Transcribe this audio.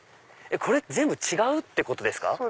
これ全部違うってことですか？